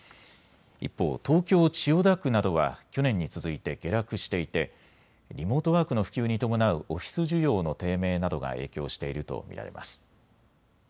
一方、東京千代田区などは去年に続いて下落していてリモートワークの普及に伴うオフィス需要の低迷などが影響していると見られます。